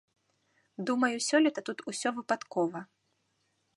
Думаю, сёлета тут усё выпадкова.